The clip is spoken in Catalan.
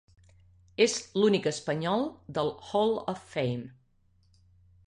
És l'únic espanyol del Hall of Fame.